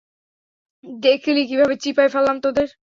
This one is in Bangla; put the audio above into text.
দেখলি কীভাবে চিপায় ফেললাম তোদের?